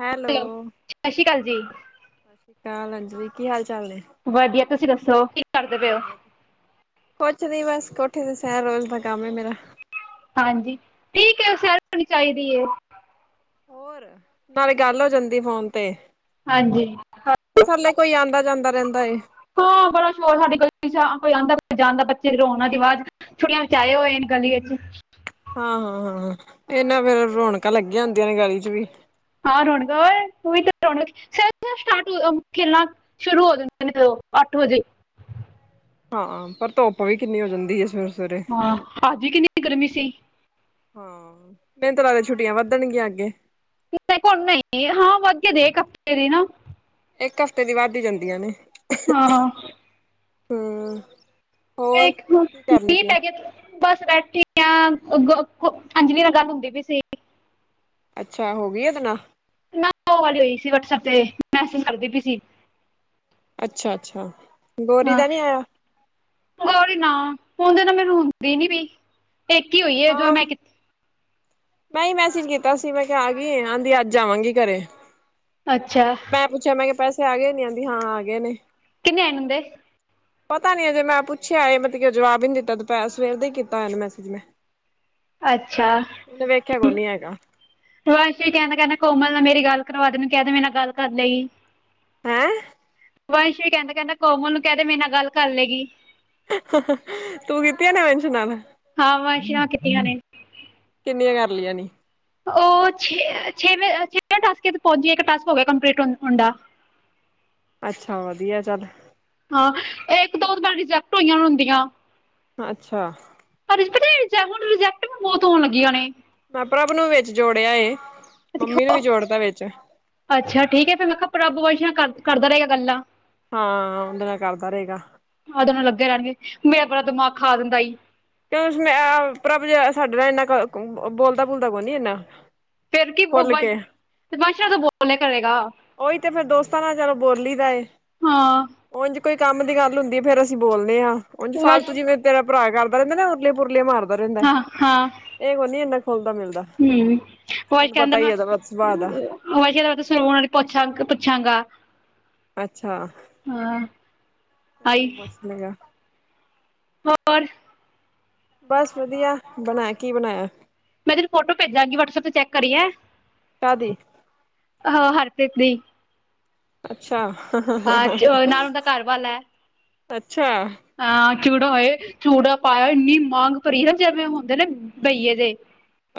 Hello ਸਤਿ ਸ਼੍ਰੀ ਅਕਾਲ ਜੀ ਸਤਿ ਸ਼੍ਰੀ ਅਕਾਲ ਅੰਜਲੀ ਕੀ ਹਾਲ ਚਾਲ ਨੇ? ਵਧੀਆ ਤੁਸੀਂ ਦੱਸੋ ਕੀ ਕਰਦੇ ਪਏ ਹੋ? ਕੁਛ ਨੀ ਬਸ ਕੋਠੇ ਤੇ ਸਹਿਰ ਰੋਜ਼ ਦਾ ਕੰਮ ਮੇਰਾ। ਹਾਂਜੀ ਠੀਕ ਹੈ ਉਹ ਸ਼ਹਿਰ ਹੋਣੀ ਚਾਹੀਦੀ। ਹੋਰ। ਨਾਲੇ ਗੱਲ ਹੋ ਜਾਂਦੀ ਫੋਨ ਤੇ ਹਾਂਜੀ ਥਲੇ ਕੋਈ ਆਉਂਦਾ ਜਾਂਦਾ ਰਹਿੰਦਾ। ਹਾਂ ਬੜਾ ਸ਼ੋਰ ਸਾਡੇ ਕੋਲ ਕੋਈ ਆਂਦਾ ਜਾਂਦਾ ਬੱਚੇ ਰੋਂਨਾਂ ਦੀ ਆਵਾਜ਼ ਛੋੜੀਆਂ ਬਚਾਏ ਹੋਏ ਨੇ ਗਲੀ ਚ। ਹਾਂ ਹਾਂ ਹਾਂ ਇਹਨਾ ਫੇਿਰ ਰੌਣਕਾਂ ਲੱਗੀਆਂ ਹੁੰਦੀਆਂ ਨੇ ਗਲੀ ਚ ਵੀ। ਹਾਂ ਰੋਣਗਲ ਤੂੰ ਤਾਂ ਰੋਣ ਸਟਾਰਟਲ ਸ਼ੁਰੂ ਹੋ ਜਾਂਦੇ ਨੇ ਉਹ ਅੱਠ ਵਜੇ। ਹਾਂ ਹਾਂ ਪਰ ਧੁੱਪ ਵੀ ਕਿੰਨੀ ਹੋ ਜਾਂਦੀ ਸਵੇਰੇ ਸਵੇਰੇ ਹਾਂ ਹਾਜੀ ਕਿੰਨੀ ਗਰਮੀ ਸੀ। ਹਾਂ ਮੈਨ ਤ ਲੱਗਦਾ ਛੁੱਟੀਆਂ ਵੱਧਣਗੀਆਂ ਅੱਗੇ ਘਣ ਨਹੀਂ ਹਾਂ ਵੱਧਗੇ ਦੇਖ ਕੇ ਦੀ ਨਾ ਇੱਕ ਹਫ਼ਤੇ ਦੀ ਵੱਧ ਹੀ ਜਾਂਦੀਆਂ ਨੇ ਹਾਂ [unintelligible] ਹੋਰ ਇੱਕ ਕੀ ਕਰਨੀ ਮੀਹ ਪਈ? ਪੈ ਗਿਆ ਬਸ ਬੈਠੀ ਹਾ ਅੱਗੋਂ ਅੰਜਲੀ ਨਾਲ ਗੱਲ ਹੁੰਦੀ ਪਈ ਸੀ। ਅੱਛਾ ਹੋ ਗਈਆ ਗੱਲਾ ਮੈਂ ਉਹ ਵਾਲੀ ਹੋਈ ਸੀ ਵਟਸਐਪ ਤੇ ਮੈਸੇਜ ਕਰਦੀ ਪਈ ਸੀ। ਅੱਛਾ ਅੱਛਾ ਗੋਰੀ ਹਾਂ ਦਾ ਨਹੀਂ ਆਇਆ। ਗੌਰੀ ਨਾ ਹੁਣ ਦੇ ਨਾ ਮੈਨੂੰ ਹੁੰਦੀ ਨੀ ਪਈ ਇੱਕ ਹੀ ਹੋਈ ਹੈ ਜਦੋ ਮੈਂ ਕੀਤੀ ਸੀ। ਨਹੀਂ ਮੈਸੇਜ ਕੀਤਾ ਸੀ ਮੈਂ ਕਿਹਾ ਆ ਗਈ ਆਂਦੀ ਅੱਜ ਆਵਾਂਗੀ ਘਰੇ ਅੱਛਾ ਮੈਂ ਪੁੱਛਿਆ ਮੈਂ ਪੈਸੇ ਆ ਗਏ ਨੀ ਆਂਦੀ ਹਾਂ ਆ ਗਏ ਨੇ ਕਿੰਨੇ ਆਏਣਦੇ ਪਤਾ ਨੀ ਅ ਜੇ ਮੈਂ ਪੁੱਛਿਆ ਮਤਲਬ ਕਿ ਜਵਾਬ ਹੀ ਨਹੀਂ ਦਿੱਤਾ ਦੁਪਰ ਸਵੇਰ ਦਾ ਹੀ ਕੀਤਾ ਮੈਸੇਜ ਮੈਂ। ਅੱਛਾ। ਉਹਨੇ ਵੇਖਿਆ ਕੋਈ ਨੀ ਹੈਗਾ ਵਾਸ਼ੀ ਕਹਿੰਦਾ ਕਹਿੰਦਾ ਕੋਮਲ ਨਾਲ ਮੇਰੀ ਗੱਲ ਕਰਵਾ ਦੇਨ ਕਹਿੰਦੇ ਮੇਰੇ ਗੱਲ ਕਰ ਲਈ ਹੈਂ ਵੰਸ਼ ਕਹਿੰਦਾ ਕਹਿੰਦਾ ਕੋਮਲ ਨੂੰ ਕਹਿ ਦੇ ਮੇਰੇ ਨਾਲ ਗੱਲ ਕਰ ਲਏਗੀ। ਤੂੰ ਕੀਤੀਆਂ ਨੇ ਮੈਨਸ਼ ਨਾਲਾਨ। ਹਾਂ ਵਾਸ਼ਾਂ ਕਿ ਕੀਤੀਆਂ ਨੇ। ਕਿੰਨੀਆਂ ਕਰ ਲਈਆਂ ਨੇ? ਉਹ ਛੇ ਛੇਵੇਜ ਛੇਵੇ ਟਾਸਕੇ ਪਹੁੰਚਏ ਇੱਕ ਟਾਸਕ ਹੋ ਗਿਆ ਕੰਪਲੀਟ ਹੁੰਡਦਾ। ਅੱਛਾ ਵਧੀਆ ਚੱਲ। ਹਾਂ ਇਹ ਇੱਕ ਦੋ ਵਾਰ ਰਿਜੈਕਟ ਹੋਈਆਂ ਹੁੰਦੀਆਂ। ਅੱਛਾ ਤੁਹਾਨੂੰ ਪਤਾ ਐ ਰਿਜੈਕਟ ਵੀ ਬਹੁਤ ਹੋਣ ਲੱਗੀਆਂ ਨੇ ਮੈਂ ਪ੍ਰਭ ਨੂੰ ਵੀ ਵਿੱਚ ਜੋੜਿਆ ਏ ਮੰਮੀ ਨੂੰ ਵੀ ਜੋੜਤਾ ਵਿੱਚ। ਅੱਛਾ ਠੀਕ ਹੈ ਫਿਰ ਮੈਂ ਕਿਹਾ ਪ੍ਰਭ ਵਸ਼ੀਆਂ ਕਰ ਕਰਦਾ ਰਹੇਗਾ ਗੱਲਾਂ ਹਾਂ ਉਹਦੇ ਨਾਲ ਕਰਦਾ ਰਹੇਗਾ। ਆ ਦੋਵੇ ਲੱਗੇ ਰਹਿਣਗੇ ਮੇਰਾ ਪੂਰਾ ਦਿਮਾਗ ਖਾ ਦਿੰਦਾ ਈ। ਕਿਉਂ ਕਿ ਪ੍ਰਭ ਜ ਸਾਡੇ ਨਾਲ ਇੰਨਾ ਬੋਲਦਾ ਬੋਲਦਾ ਕੋਣ ਨੀ ਇੰਨਾ। ਫਿਰ ਕੀ ਉਹ ਖੁੱਲ ਵੜ ਕੇ ਤੇ ਤਮਾਸ਼ਾ ਤੋਂ ਬੋਲਿਆ ਕਰੇਗਾ ਉਹੀ ਤੇ ਫੇਰ ਦੋਸਤਾਂ ਨਾਲ ਚਲੋ ਬੋਲੀ ਦਾ ਏ। ਹਾਂ। ਉੰਝ ਕੋਈ ਕੰਮ ਦੀ ਗੱਲ ਹੁੰਦੀ ਹੈ ਫੇਰ ਅਸੀਂ ਬੋਲਦੇ ਹਾਂ ਉੰਝ ਵੰਸ਼ ਫਾਲਤੂ ਜਿਵੇਂ ਤੇਰਾ ਭਰਾ ਕਰਦਾ ਰਹਿੰਦੇ ਨਾ ਉਰਲੀ ਪੁਰਲੀਆਂ ਮਾਰਦਾ ਰਹਿੰਦਾ ਏ। ਹਾਂ ਹਾਂ ਇਹ ਕੋ ਨੀ ਇੰਨਾ ਖੁੱਲਦਾ ਮਿਲਦਾ। ਹੂੰ ਉਹ ਤੈਨੂੰ ਕਹਿੰਦੇ ਪਤਾ ਨਾ। ਹੀ ਉਹਦਾ ਸੁਭਾਅ ਦਾ [unintelligible] ਅੱਛਾ ਹਾਂ ਕੋਈ ਹਾਈ ਨੀ ਪੁੱਛਦੀ ਆ। ਹੋਰ। ਬਸ ਵਧੀਆ ਬਣਾਇਆ ਕੀ ਬਣਾਇਆ। ਮੈਂ ਤਤਨੂੰ ਫੋਟੋ ਭੇਜਾਂਗੀ ਵਟਸਐਪ ਤੇ ਚੈੱਕ ਕਰੀ ਐ। ਕਾਦੀ ਹਾ ਹਰਪ੍ਰੀਤ ਦੀ ਅੱਛਾ ਹਾਂ ਨਾਲ ਉਹਦਾ ਘਰਵਾਲਾ ਹੈ। ਅੱਛਾ। ਹਾ ਚੂੜਾ ਹੋਏ ਚੂੜਾ ਪਾਇਆ ਇੰਨੀ ਮੰਗ ਭਰੀ ਨਾ ਜਿਵੇਂ ਹੁੰਦੇ ਨੇ ਬਹੀਏ ਦੇ।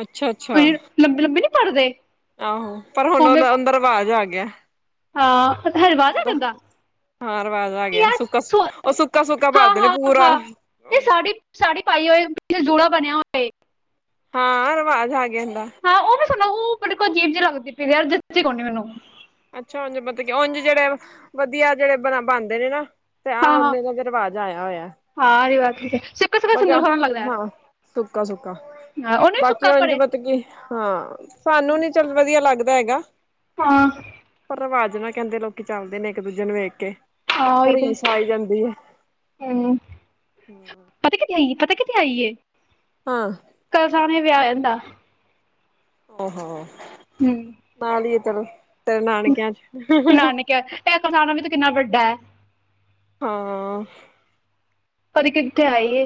ਅੱਛਾ ਅੱਛਾ। ਲੰਬੀ ਲੰਬੀ ਨੀ ਭਰਦੇ। ਆਹੋ ਪਰ ਹੁਣ ਉਹਦਾ ਅੰਦਰ ਰਿਵਾਜ਼ ਆ ਗਿਆ। ਹਾਂ ਰਿਵਾਜ ਆ ਉਹਦਾ ਤਾਡਾ। ਹਾਂ ਰਿਵਾਜ਼ ਆ ਗਿਆ ਸੁੱਕਾ ਉਹ ਸੁੱਕਾ ਸੁੱਕਾ ਹਾਂ ਭਰਦੇ ਨੇ ਹਾਂ ਪੂਰਾ ਹਾਂ ਇਹ ਸਾੜੀ ਸਾੜੀ ਪਾਈ ਹੋਏ ਪਿੱਛੇ ਜੂੜਾ ਬਣਿਆ ਹੋਏ। ਹਾਂ ਰਿਵਾਜ਼ ਆ ਗਿਆ ਇਦਾ। ਹਾ ਉਹ ਵੀ ਸੋਣਾ ਉਹ ਤੁਹਾਡੇ ਕੋਲ ਅਜੀਬ ਜੀ ਲਗਦੀ ਪਈ ਜਿਸ ਚ ਕੋਨੋ ਮੈਨੂੰ। ਅੱਛਾ ਉਝ ਮਤਲਬ ਕੀ ਉੰਜ ਜਿਹੜੇ ਵਧੀਆ ਜਿਹੜੇ ਬ ਬਣਦੇ ਨੇ ਨਾ ਤੇ ਹਾਂ ਆਹ ਹਾਂ ਉਨੇ ਦਾ ਰਿਵਾਜ ਆਇਆ ਹੋਇਆ ਹਾਂ ਇਹ ਗੱਲ [unintelligible] ਬਗ ਹਾਂ ਸੁੱਕ ਸੁੱਕ ਹਾਂ, ਉਹਨੇ ਵੀ ਬਾਕੀ ਸੁੱਕਾ ਪੜੇ ਅੰਜਮਤ ਕੀ ਹਾਂ ਸਾਨੂੰ ਨੀ ਚੱਲ ਵਧੀਆ ਲੱਗਦਾ ਹੈਗਾ। ਹਾਂ। ਪਰ ਰਿਵਾਜ਼ ਨਾ ਕਹਿੰਦੇ ਲੋਕੀ ਚੱਲਦੇ ਨੇ ਇੱਕ ਦੂਜੇ ਨੂੰ ਵੇਖ ਕੇ ਹਾਂ ਉਹੀ ਤੇ ਰੀਸ ਆਈ ਜਾਂਦੀ ਹੈ ਹੂੰ ਪਤਾ ਕਿਥੇ ਆਈ ਪਤਾ ਕਿੱਥੇ ਆਈ ਏ। ਹਾਂ। ਕੱਲ ਸਣੇ ਵਿਆਹ ਏਦਾ [unintelligible] ਹੂੰ ਨਾਲ ਈ ਆ ਚਲੋ ਤੇਰੇ ਨਾਨਕਿਆਂ ਚ ਟੈਕ ਥਾਣਾ ਵੀ ਤੇ ਕਿੰਨਾ ਵੱਡਾ ਹੈ ਹਾਂ ਪਰ ਕਿੱਥੇ ਆਈ ਏ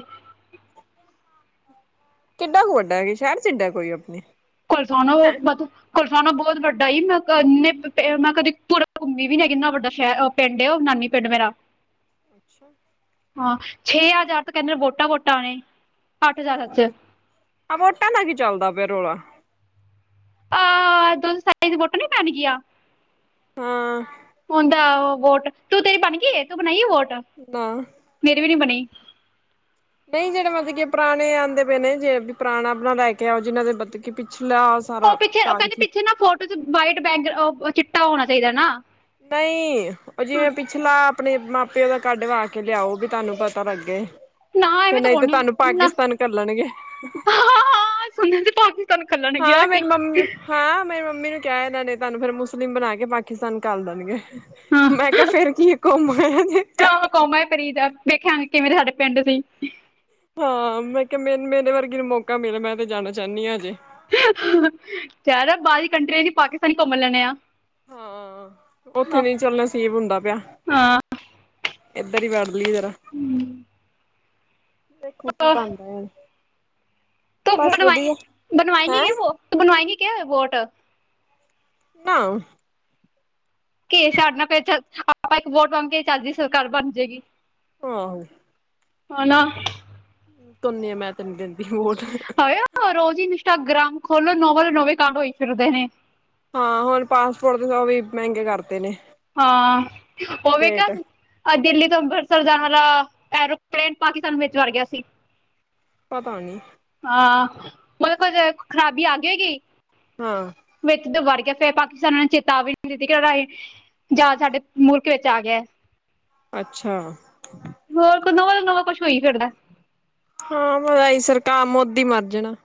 ਕਿੱਡਾ ਕੁ ਵੱਡਾ ਹੈ ਸ਼ਹਿਰ ਚ ਇੱਡਾ ਕੋਈ ਆਪਣੇ ਕੋਲ ਥਾਣਾ ਨਾ ਕਿੰਨਾ ਉਹ ਬੱਤੋਕ ਕੁੱਲਥਾਣਾ ਬਹੁਤ ਵੱਡਾ ਮੈਂ ਇੰਨੇ ਮੈਂ ਕਦੇ ਘੁੰਮੀ ਵੀ ਨੀ ਕਿੰਨਾ ਵੱਡਾ ਸ਼ਹਿਰ ਪਿੰਡ ਉਹ ਨਾਨੀ ਪਿੰਡ ਮੇਰਾ ਅੱਛਾ ਹਾਂ ਛੇ ਹਜ਼ਾਰ ਅੱਤ ਵੋਟਾਂ ਵੋਟਾਂ ਆਏ ਹ ਵਟਾਂ ਦਾ ਕੀ ਚੱਲਦਾ ਪਿਆ ਰੌਲਾ ਆਹ ਇਧਰ ਸਾਈਡ ਵੋਟ ਨੀ ਪੈਣ ਗਈਆਂ ਹਾਂ ਵੋਟ ਤੂੰ ਤੇਰੀ ਬਣ ਗਈ ਤੂੰ ਬਣਾਈ ਵੋਟ ਨਾ ਮੇਰੀ ਵੀ ਨੀ ਬਣੀ ਨਹੀਂ ਜਿਹੜੇ ਮਤਲਬ ਕਿ ਪੁਰਾਣੇ ਆਉਂਦੇ ਪਏ ਨੇ ਜੇ ਵੀ ਪੁਰਾਣਾ ਆਪਣਾ ਲੈ ਕੇ ਆਓ ਜਿਨਾਂ ਦੇ ਮਤਲਬ ਕਿ ਪਿਛਲਾ ਉਹ ਸਾਰਾ ਪਿੱਛੇ ਕਹਿੰਦੇ ਕਾਗਜ਼ ਪਿੱਛੇ ਨਾ ਫੋਟੋ ਚ ਵਟ ਬਗ ਚਿੱਟਾ ਹੋਣਾ ਚਾਹੀਦਾ ਨਾ ਨਹੀਂ ਉਹ ਜਿਵੇਂ ਪਿਛਲਾ ਆਪਣੇ ਮਾਂ ਪਿਓ ਦਾ ਕੱਢ ਵ ਕੇ ਲਿਆਓ ਵੀ ਤੁਹਾਨੂੰ ਪਤਾ ਲੱਗੇ ਨਾ ਫਿਰ ਐਵੇਂ ਨਹੀਂ ਤੇ ਤੁਹਾਨੂੰ ਪਾਕਿਸਤਾਨ ਕੱਲਣ ਗੇ ਹਾਂ ਹਾਂ ਸੁਣ ਤੇ ਭ ਕੇ ਸਹਾਨੂੰ ਖੱਲਣ ਗਿਆ ਹਾਂ ਮੇਰੀ ਕਿ ਮੰਮੀ ਹਾਂ ਮੇਰੀ ਮੰਮੀ ਨੂੰ ਕਿਹਾ ਇਹਨਾਂ ਨੇ ਤੁਹਾਨੂੰ ਫਿਰ ਮੁਸਲਿਮ ਬਣਾ ਕੇ ਪਾਕਿਸਤਾਨ ਕੱਲ ਦੇਣਗੇ ਹਾਂ ਮੈਂ ਕਿਹਾ ਫਿਰ ਕੀ ਘੁੰਮ ਆਇਆ ਜੇ ਕੌਮਾ ਹੈ ਪ੍ਰੀਤ ਦਾ ਵੇਖਿਆ ਕਿਵੇਂ ਇਹ ਪਿੰਡ ਦੀ ਹਾਂ ਮੈਂ ਕਿਹਾ ਮ ਮੇਰੇ ਵਰਗੀ ਨੂੰ ਮੌਕਾ ਮਿਲਿਆ ਮੈਂ ਤੇ ਜਾਣਾ ਚਾਹੁੰਦੀ ਹਾਂ ਅਜੇ ਯ ਬਾਹਰ ਦੀ ਕੰਟਰੀ ਦੀ ਪਾਕਿਸਤਾਨੀ ਘੁੰਮ ਲੈਣੇ ਆ ਹਾਂ ਉਥੇ ਨਹੀਂ ਚੱਲਣਾ ਸੀਬ ਹੁੰਦਾ ਪਿਆ ਹਾਂ ਇਧਰ ਹੀ ਵੜ ਜਰਾ ਓ ਕੀ ਬਣਦਾ ਬ ਬਸ ਬਣਵਾਏ ਵਧੀਆ ਹੈਂ ਬਣਵਾਏਂਗ ਕਿਆ ਵੋਟ ਨਾ ਕੇ ਛਡਨਾ ਪਿਆਲ ਆਪਾਂ ਇੱਕ ਵੋਟ ਪਾਓਗੇ ਕੇ ਚੱਜ ਦੀ ਸਰਕਾਰ ਬਣ ਜਾਏਗੀ। ਹਾਂ ਹੈਨਾ, ਧੋਨੇ ਮੈਂ ਤੇ ਨੀ ਦਿੰਦੀ ਵੋਟ, ਹੋ ਰੋਜ਼ ਹੀ ਇੰਸਟਾਗ੍ਰਾਮ ਖੋਲੋ ਨੋਵਲ ਨੋਵੇਂ ਈ ਫਿਰਦੇ ਨੇ, ਹਾਂ ਹੁਣ ਪਾਸਪੋਰਟ ਸ ਵੀ ਮਹਿੰਗੇ ਕਰ ਤੇ ਨੇ, ਹਾਂ ਹੋਵੇਗਾ, ਰੇਟ ਅ ਦਿੱਲੀ ਤੋਂ ਅੰਮ੍ਰਿਤਸਰ ਜਾਣ ਵਾਲਾ ਐਰੋਪਲੇਨ, ਪਾਕਿਸਤਾਨ ਵਿੱਚ ਵੜ ਗਿਆ ਸੀ। ਪਤਾ ਨੀ, ਹਾਂ ਮਤਲਬ ਕੁਝ ਖ਼ਰਾਬੀ ਆ ਗਈ। ਹਾਂ, ਵਿੱਚ ਵੜ ਗਿਆ ਫਿਰ ਪਾਕਿਸਤਾਨਾਂ, ਨੇ ਚੇਤਾ ਆਵੇ ਨੀ ਦਿੱਤੀ ਕਿ ਰਾਹੀਂ। ਜਾਂ ਸਾਡੇ ਮੁਲਕ ਵਿੱਚ ਆ ਗਿਆ। ਅੱਛਾ ਹੋਰ ਕੋਈ ਨਵਾਂ ਨਵਾਂ ਕੁਛ ਹੋ ਹੀ ਫਿਰਦਾ ਹਾਂ ਮਈ ਸਰਕਾਰ ਮੋਦੀ ਮਰ ਜਾਣਾ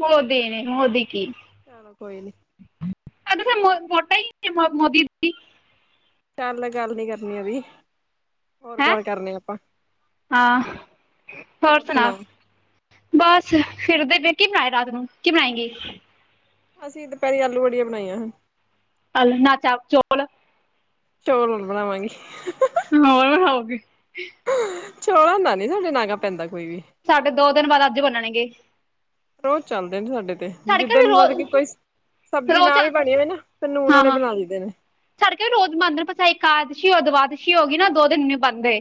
ਮੋਦੀ ਨੇ ਮੋਦੀ ਕੀ ਚਲੋ ਕੋਈ ਨੀ ਮੈਂ ਤੇ ਹੋਰ ਵੋਟਾਂ ਮੋਦੀ ਦੀ ਚੱਲ ਗੱਲ ਨੀ ਕਰਨੀ ਅਭੀ। ਹੋਰ ਹੈਂ ਗੱਲ ਕਰਨੇ ਆਪਾਂ, ਹਾਂ ਹੋਰ ਸੁਣਾ ਔ? ਬਸ, ਫਿਰਦੇ ਕੀ ਬਣਾਏ, ਰਾਤ ਨੂੰ ਕੀ ਬਣਾਏਂਗੀ। ਅਸੀਂ ਦੁਪਹਿਰੀ ਆਲੂ ਵੜੀਆ ਬਣਾਈਆਂ ਸੀ। ਆਲੂ ਨਾ, ਚਾਪ ਚੁੱਕ ਲੋ। ਚੋਲ ਹੁਣ ਬਣਾਵਾਂਗੀ। ਹੋਰ ਹੋਊਗੀ ਛੋੜੋ ਨਾ, ਨੀ ਨਾਗਾ ਪੈਂਦਾ ਕੋਈ ਵੀ। ਸਾਡੇ ਦੋ ਦਿਨ ਬਾਅਦ ਅੱਜ ਬਨਣਗੇ। ਰੋਜ਼ ਚੱਲਦੇ ਨੇ ਸਾਡੇ ਤੇ, ਸਾਡੇ ਜਿੱ ਘਰ ਵੀ ਦਿਨ ਊਨਾਦੀ ਕਿ ਕੋਈ, ਰੋਜ਼ ਸਬਜ਼ੀ ਰੋਜ਼ ਨਾ ਆ ਵੀ ਬਣੀ ਹੋਵੇ ਨਾ, ਫਿਰ ਨੂਨ ਹਾਂ ਨਾਲੇ ਹਾਂ ਬਣਾ ਲਈਦੇ ਨੇ। ਸਾਡੇ ਘਰ ਰੋਜ਼ ਬਨਦੇ, ਇਕ ਏਕਾਦਸ਼ੀ ਹੋ ਦਵਾਦਸ਼ੀ ਹੋ ਗਈ ਨਾ ਦੋ ਦਿਨ ਨੀ ਬਣਦੇ।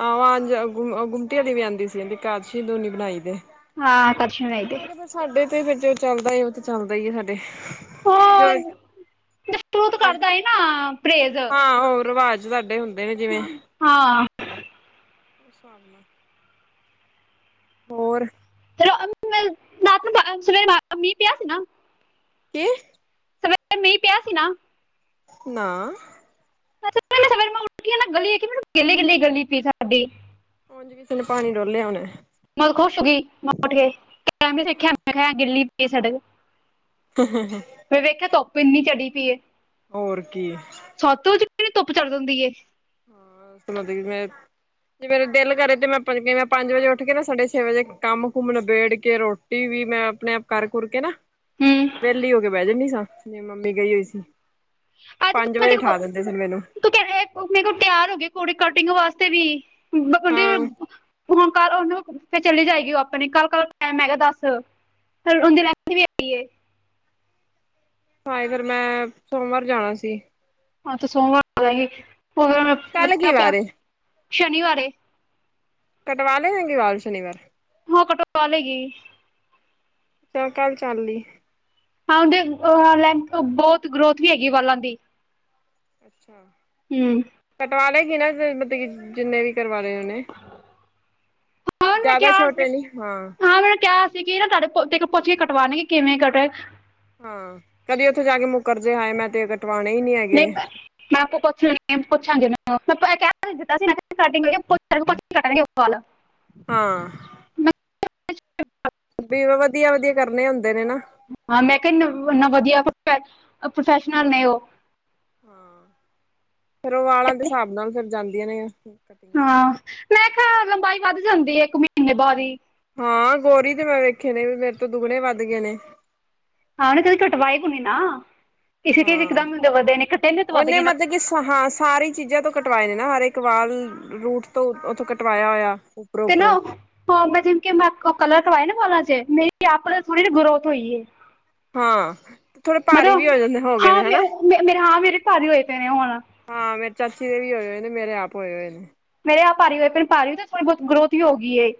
ਆਹ ਗੁੰਮਤਿਆਂ ਦੀ ਵੀ ਆਂਦੀ ਸੀ, ਏਕਾਦਸ਼ੀ ਨੂੰ ਨਹੀ ਬਣਾਇਦੇ। ਹਾਂ, ਦਰਸ਼ਨ ਦੇ ਸਾਡੇ ਤੇ ਫਿਰ ਜੋ ਚੱਲਦਾ, ਉਹ ਤੇ ਚੱਲਦਾ ਹੀ ਹੈ ਸਾਡੇ। ਫੋਨ ਤੁ ਤੇ ਕਰਦਾ ਸੀ ਨਾ, ਪਰਹੇਜ਼ ਇਹ ਜਿਵੇਂ ਹਾਂ, ਉਸ ਹਿਸਾਬ ਨਾਲ, ਹੋਰ? ਚਲੋ ਰਾਤ ਨੂੰ, ਸਵੇਰੇ ਮੀਹ ਪਿਆ ਸੀ ਨਾ। ਕੀ, ਸਵੇਰੇ ਇਥੇ ਮੀਹ ਪਿਆ ਸੀ ਨਾ, ਨਾ, ਪਹਿਲੇ ਸਵੇਰੇ ਮੈਂ ਉੱਠ ਕੇ ਨਾ ਗਲੀ ਦੇਖੀ, ਮੈਂਨੂੰ ਗਿਲੀ ਗਿੱਲੀ, ਗਲੀ ਸੀ ਸਾਡੀ। ਹੁਣ ਕਿਸੇ ਨੇ ਪਾਣੀ ਡੋਲ੍ਹਿਆ ਹੋਣਾ ਐ ਮੈਂ ਖੁਸ਼ ਹੋ ਗਈ, ਉੱਠ ਕੇ, ਐ ਨਹੀ ਦੇਖਿਆ ਗਿੱਲੀ ਪਈ ਏ ਸੜਕ। ਹੂੰ-ਹੂੰ ਹੂ ਫਿਰ ਵੇਖਿਆ, ਧੁੱਪ ਇੰਨੀ ਚੜੀ ਪਈ ਏ। ਹੋਰ ਕੀ ਹੈ, ਸਤਿ ਵਜੇ ਹੀ, ਕਿੰਨੀ ਧੁੱਪ ਚੜ੍ਹ ਜਾਂਦੀ ਏ। ਹਾਂ ਮਤਲਬ ਕਿ ਮੈਂ [unintelligible] ਜੇ ਮੇਰੇ ਦਿਲ ਕਰੇ, ਤੇ ਮੈਂ ਭਲਕੇ ਮੈਂ ਪੰਜ ਵਜੇ ਉੱਠ ਕੇ ਨਾ, ਸਾਡੇ ਛੇ ਵਜੇ ਕੰਮ ਕੁੁੰਮ ਨਬੇੜ ਕੇ, ਰੋਟੀ ਟੀ ਵੀ, ਮੈਂ ਆਪਣੇ ਆਪ ਕਰ ਕੁਰ ਕੇ ਨਾ। ਹੂੰ ਵਿਹਲੀ ਹੋ ਕੇ ਬਹਿ ਜਾਂਦੀ ਸਾਂ। ਮੇਰੀ ਮੰਮੀ ਗਈ ਹੋਈ ਸੀ। ਪੰਜ ਵਜੇ ਉਠਾ ਦਿੰਦੇ ਸੀ ਮੈਨੂੰ। ਤ ਮੇਰੇ ਕੋਲ ਤਿਆਰ ਹੋ ਗਈ ਕੁੜੀ ਕਟਿੰਗ ਵਾਸਤੇ ਵੀ। ਹਾਂ ਹੁਣ ਕੱਲ ਉਹਨੂੰ ਫ਼ੇਰ ਚੱਲੀ ਜਾਏਗੀ। ਉਹ ਆਪਣੇ ਕੱਲ ਕੱਲ ਟੈਮ ਹੈਗਾ ਦੱਸ ਫਿਰ ਉਹਦੀ। ਲੈਂਥ ਵੀ ਹੈਗੀ ਏ ਹਾਏ ਫਿਰ ਮੈਂ ਸੋਮਵਾਰ ਜਾਣਾ ਸੀ। ਆ ਤੇ ਸੋਮਵਾਰ ਹੀ ਹੋਰ ਕੱਲ ਕੀ ਪਿਆ ਵਾਰ ਏ ਸ਼ਨੀਵਾਰ ਹੈ। ਕਟਵਾ ਲੈਣ ਗੇ ਵਾਲ ਸ਼ਨੀਵਾਰ ਹਾਂ ਕਟਵਾ ਲੇਗੀ। ਚੱਲੋ ਕੱਲ ਚਲਈ। ਹਾ ਉਦੇ, ਲੈਂ ਬਹੁਤ ਗਰੋਥ ਵੀ ਹੈਗੀ ਵਾਂਲਾ ਦੀ। ਅੱਛਾ ਹੂੰ ਕਟਵਾ ਲਏਗੀ, ਨਾ ਮਤਲਬ ਕਿ ਜਿੰਨੇ ਵੀ ਕਰਵਾ ਲਏ ਉਹਨੇ। ਹਾਂ ਉਹਨੂੰ ਮੈਂ ਜ਼ਿਆਦਾ ਕਿਹਾ ਸੀ ਛੋਟੇ ਨੀ ਹਾਂ, ਮੈਨੂੰ ਕਿਹਾ ਨਾ ਤੁਹਾਡੇ ਤੋ, ਪੁੱਛ ਕੇ ਕਟਵਾਨੇ, ਕਿਵੇਂ ਕਟ ਹਾਂ ਕਦੇ ਉੱਥੇ ਜਾ ਕੇ ਮੁਕਰਜੇ, ਹਾਏ ਮੈਂ ਤੇ ਕਟਵਾਣੇ ਹੀ ਨੀ ਨਹੀਂ ਹੈਗੇ। ਮੈਂ ਮੈਂ ਆਪ ਪੁੱਛ ਪੁੱਛਾਂਗੇ। ਹਾਂ, ਵੀ ਵਧੀਆ-ਵਧੀਆ ਕਰਨੇ ਹੁੰਦੇ ਨੇ ਨਾ। ਹਾਂ ਮੈਂ ਕਿਹਾ ਇੰਨਾ ਵਧੀਆ ਪ੍ਰੋਫੈਸ਼ਨਲ ਨੇ ਉਹ। ਹਾਂ ਫੇਰ ਉਹ ਵਾਲਾਂ ਦੇ ਹਿਸਾਬ ਨਾਲ ਫਿਰ ਜਾਂਦੀਆਂ ਨਹੀਂ ਏ। ਹਾਂ ਮੈਂ ਕਿਹਾ ਲੰਬਾਈ ਵੱਧ ਜਾਂਦੀ ਹੈ ਇੱਕ ਮਹੀਨੇ ਬਾਅਦ ਹੀ। ਹਾਂ ਗੋਰੀ ਤੇ ਮੈਂ ਵੇਖੇ ਨੇ। ਮੇਰੇ ਤੋਂ ਦੁਗਣੇ ਵੱਧ ਗਏ ਨੇ। ਹਾਂ ਉਹਨੇ ਕਦੀ ਕਟਵਾਏ ਤੇ ਨਹੀ ਨਾ। ਕਿਸੇ ਕੀ ਇੱਕਦਮ ਵਦੇ ਨੇ ਘਟੇ ਨੇ ਤੇ ਵੱਧ ਗਏ ਨੇ। ਸਹਾਂ ਸਾਰੇ। ਚੀਜ਼ਾਂ ਤੋਂ ਕਟਵਾਏ ਨੇ ਨਾ। ਹਰ ਇਕ ਵਾਲ਼ ਰੂਟ ਤੋਂ ਉੱਥੋਂ ਕਟਵਾਇਆ ਹੋਇਆ। ਉੱਪਰੋਂ ਤੇ ਨਾ ਉੱਪਰੋਂ ਹਾਂ ਮੈਂ ਜਿਨ ਕਿ ਮੈਂ ਕਲਰ ਕਰਵਾਏ ਨਾ ਵਾਲਾ ਚੇ ਮੇਰੀ ਆਪ ਹਾਂ ਥੋੜੀ ਜੀ ਗਰੋਥ ਹੋਈ ਹੈ। ਹਾਂ। ਥੋੜੇ ਭਾਰੀ ਵੀ ਮਤਲਬ ਹੋ ਜਾਂਦੇ ਹੋ ਗਏ ਨੇ ਹਾਂ ਹਨਾ ਮੇਰੇ ਮੇ ਮੇਰੇ ਹਾਂ ਮੇਰੇ ਭਾਰੀ ਹੋਏ ਪਏ ਨੇ ਹੁਣ। ਹਾਂ ਮੇਰੇ ਚਾਚੀ ਦੇ ਵੀ ਹੋਏ ਹੋਏ ਨੇ। ਮੇਰੇ ਆਪ ਹੋਏ ਹੋਏ ਨੇ। ਮੇਰੇ ਆਪ ਭਾਰੀ ਹੋਏ ਪਏ ਨੇ ਭਾਰੀ ਤੇ ਥੋੜੀ ਬਹੁਤ ਗਰੋਥ ਵੀ ਹੋ ਗਈਏ ਹੈ।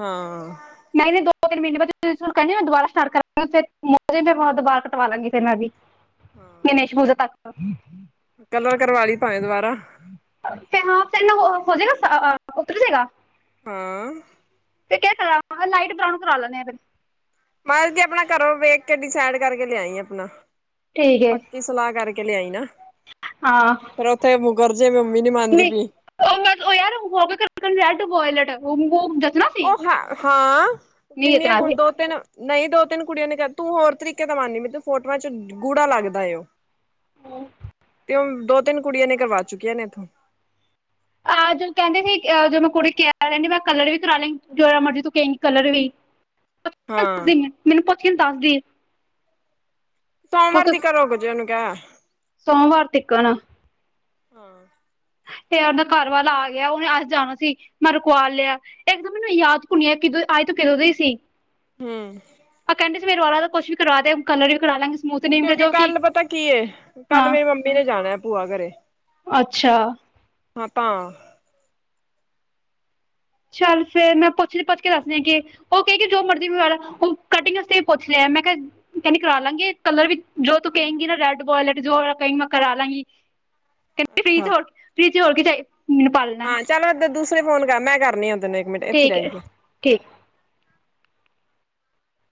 ਹਾਂ। ਨਹੀਂ ਨਹੀਂ ਦੋ ਤਿੰਨ ਮਹੀਨੇ ਬਾਅਦ ਕਹਿੰਦੇ ਮੈਂ ਦੁਬਾਰਾ ਸਟਾਰਟ ਕਰਾਂ ਫਿਰ ਮ ਫ ਮੈਂ [inaudible] ਵਾਲ਼ ਦੁਬਾਰਾ ਕਟਵਾ ਲਾਂਗੀ ਫਿਰ ਮੈਂ ਵੀ। ਹਾਂ ਗਣੇਸ਼ ਪੂਜਾ ਤਕ। ਕਲਰ ਕਰਵਾ ਲਈ ਪਾਵੇਂ ਦੁਬਾਰਾ। ਫਿਰ ਹਾਂ ਫ਼ਿਰ ਨਾ ਹੋ ਜਾਏਗਾ ਉਤਰ ਜੇਗਾ। ਹਾਂ। ਫ਼ੇਰ ਕਰਾਵਾ ਲਾਈਟ ਬਰਾਊਨ ਕਰਾ ਲੈਣੇ ਆ ਫਿਰ। ਮੈਂ ਤੇ ਅਪਣਾ ਘਰੋਂ ਵੇਖ ਕੇ ਡਿਸਾਈਡ ਕਰਕੇ ਲਿਆਈ ਅਪਣਾ। ਠੀਕ ਹੈ ਪੱਕੀ ਸਲਾਹ ਕਰਕੇ ਲਿਆਈ ਨਾ। ਹਾਂ। ਫ਼ਿਰ ਉੱਥੇ ਮੁਕਰ ਜੇ ਮੰਮੀ ਨੀ ਮੰਨਦੀ ਨਹੀਂ ਪਈ। ਉਹ ਯਾਰ ਲਾਈਟ ਬੋਯਲਤ। [inaudible] ਉਹ ਹ ਹਾਂ ਕਿੰਨੀਆਂ ਜਚਣਾ ਕੁ ਸੀ ਦੋ ਤਿੰਨ। ਨਹੀਂ ਦੋ ਤਿੰਨ ਕੁੜੀਆਂ ਨੇ ਕਹਿ। ਤੂੰ ਹੋਰ ਤਰੀਕੇ ਦਾ ਕਰਵਾਨੀ ਪਈ ਫੋਟੋਆਂ ਚ ਗੂੜਾ ਲੱਗਦਾ ਹੈ ਉਹ। ਹਮ। ਤੇ ਹੁਣ ਦੋ ਤਿੰਨ ਕੁੜੀਆਂ ਨੇ ਕਰਵਾ ਚੁੱਕੀਆਂ ਨੇ ਇੱਥੋਂ। ਆਹ ਜਦ ਕਹਿੰਦੀ ਸੀ। ਜਦ ਮੈਂ ਕੁੜੀ ਕਿਹਾ ਰਹਿੰਦੀ ਮੈਂ ਕਲਰ ਵੀ ਕਰਾ ਲਈ ਜੇੜਾ ਮਰਜ਼ੀ ਤੂੰ ਕਹੈਂਗੀ ਕਲਰ ਵੀ। ਦ [inaudible] ਹਾਂ ਦੀ ਮੈਨੂੰ ਪੁੱਛ ਕੇ ਦੱਸਦੀ। ਸੋਮਵਾਰ ਦੀ ਘਰੋਂ [inaudible] ਉਹਨੂੰ ਕਹਿ। ਸੋਮਵਾਰ ਤਿਕਣ। ਹਾਂ। ਤੇ ਉਹਦਾ ਘਰ ਵਾਲਾ ਆ ਗਿਆ ਉਹਨੇ ਅੱਜ ਆਣਾ ਸੀ ਮੈਂ ਰੁਕਵਾ ਲਿਆ। ਇੱਕ ਤਾਂ ਮੈਨੂੰ ਯਾਦ ਭੁੱਲਿਆ ਕਿਦੋਂ ਆਏ ਤਾਂ ਕਦੋਂ ਦੇ ਈ ਸੀ। ਹੂੰ ਆ ਕਹਿੰਦੀ ਸੀ ਮੇਰੇ ਵਾਲਾਂ ਦਾ ਕੁਛ ਵੀ ਕਰਾਵਾ ਦੇ, ਕਲਰ ਈ ਕਰਾਲਾਂਗੀ। ਕਿਉਂਕਿ ਕੱਲ ਪਤਾ ਕੀ ਏ, ਕੱਲ ਹਾਂ ਮੇਰੀ ਮੰਮੀ ਨੇ ਜਾਣਾ ਏ ਭੂਆ ਘਰੇਂ। ਅੱਛਾ ਆਪਾਂ ਚੱਲ ਫੇਰ ਮੈਂ ਪੁੱਛਦੀ ਪੁੱਛ ਕੇ ਦੱਸਦੀ ਆ ਕਿ ਉਹ ਕਹਿਗੀ ਜੋ ਮਰਜ਼ੀ ਮੰਗਵਾ ਲੈ ਅਮ ਕਟਿੰਗ ਵਾਸਤੇ ਪੁੱਛ ਲਿਆ ਮੈਂ ਕਿਹਾ। ਕਹਿੰਦੀ ਕਰਾਲਾਂਗੇ ਕਲਰ ਵੀ ਜੋ ਤੂੰ ਕੇਹਗੀ ਨਾ ਰੈਡ ਵੋਲਟ ਜੋ ਵਾਲਾ ਕਹਗੀ ਮੈਂ ਕਰਾਲਾਂਗੀ। ਕਹਿੰਦੇ ਫ੍ਰੀ 'ਚ ਅੱਛਾ ਹੋਰ ਫ੍ਰੀ 'ਚ ਹੋਰ ਕੀ ਗਈ ਮੈਨੂੰ ਪਾਰਲ ਹਾਂ ਚੱਲ ਉਦੇ ਦੂਸਰੇ ਫੋਨ ਕਰ। ਮੈਂ ਕਰਨੀ ਹਾ ਤੈਨੂੰ ਇੱਕ ਮਿੰਟ। ਇੱਥੇ ਠੀਕ ਰਹਿ ਹੈ ਜਾ ਠੀਕ।